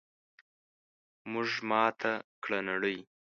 موږ ماته کړه نړۍ!